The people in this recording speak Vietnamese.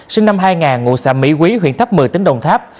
sinh năm hai nghìn ngụ xã mỹ quý huyện tháp một mươi tỉnh đồng tháp